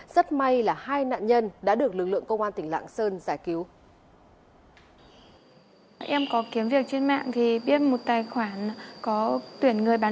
rất may là hai nạn nhân đã được lực lượng công an tỉnh lạng sơn giải cứu